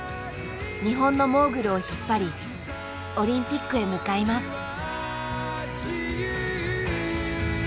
日本のモーグルを引っ張りオリンピックへ向かいます。